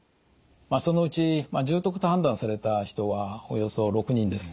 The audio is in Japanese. そのうち重篤と判断された人はおよそ６人です。